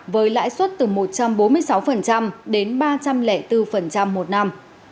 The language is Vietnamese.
với lãi suất từ một trăm bốn mươi sáu đến ba trăm linh bốn một năm